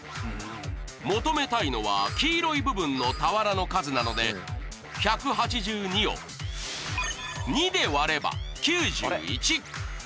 求めたいのは黄色い部分の俵の数なので１８２を２で割れば９１。